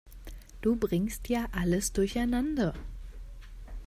Du bringst ja alles durcheinander.